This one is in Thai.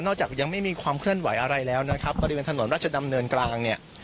จากยังไม่มีความเคลื่อนไหวอะไรแล้วนะครับบริเวณถนนราชดำเนินกลางเนี่ย